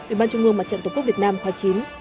ủy ban trung ương mặt trận tổ quốc việt nam khoa chín